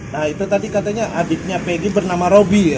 nah itu tadi katanya adiknya peggy bernama roby ya